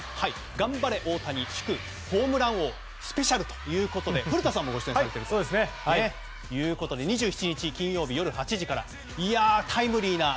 頑張れ大谷祝ホームラン王スペシャルということで古田さんもご出演されているということで２７日金曜日、夜８時から。